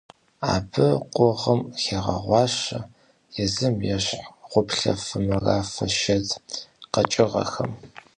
Абы къугъыр хегъэгъуащэ езым ещхь гъуэплъыфэ-морафэ шэд къэкӀыгъэхэм.